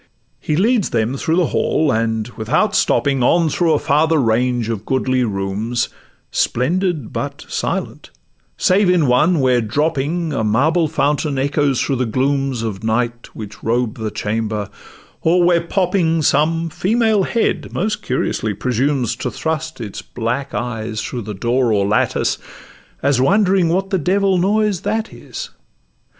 He leads them through the hall, and, without stopping, On through a farther range of goodly rooms, Splendid but silent, save in one, where, dropping, A marble fountain echoes through the glooms Of night which robe the chamber, or where popping Some female head most curiously presumes To thrust its black eyes through the door or lattice, As wondering what the devil a noise that is.